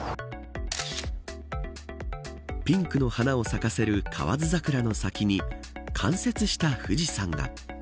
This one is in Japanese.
ピンクの花を咲かせる河津桜の先に冠雪した富士山が。